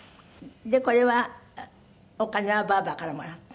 でこれはお金はばあばからもらったの？